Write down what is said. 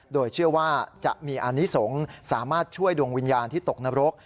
โดยเชื่อว่าจะมีอานิสงฆ์สามารถช่วยดวงวิญญาณที่ตกนรก